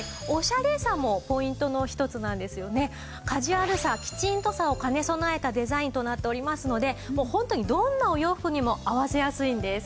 カジュアルさキチンとさを兼ね備えたデザインとなっておりますのでホントにどんなお洋服にも合わせやすいんです。